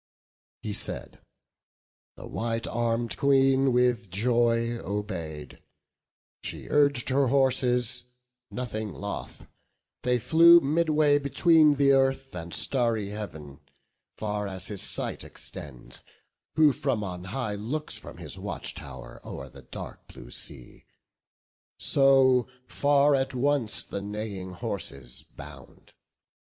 He said: the white arm'd Queen with joy obey'd; She urg'd her horses; nothing loth, they flew Midway between the earth, and starry Heav'n: Far as his sight extends, who from on high Looks from his watch tow'r o'er the dark blue sea, So far at once the neighing horses bound.